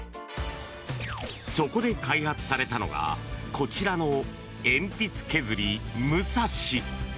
そこで開発されたのがこちらの鉛筆削り、６３４。